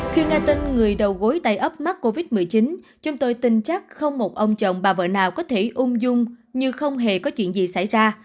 khi nghe tin người đầu gối tay ốc mắc covid một mươi chín chúng tôi tin chắc không một ông chồng bà vợ nào có thể ung dung như không hề có chuyện gì xảy ra